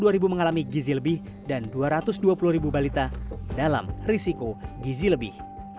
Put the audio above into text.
dua puluh ribu mengalami gizi lebih dan dua ratus dua puluh ribu balita dalam risiko gizi lebih